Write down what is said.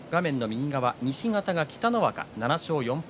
西方、北の若７勝４敗